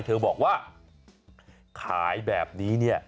เธอบอกว่าขายแบบนี้เนี่ย